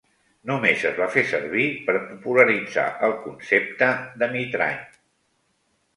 Només es va fer servir per popularitzar el concepte de Mitrany.